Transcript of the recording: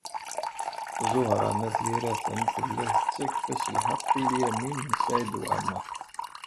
Ẓuhṛa n At Yiraten tella tettakf-as lḥeqq i Lyamin n Saɛid Waɛmeṛ.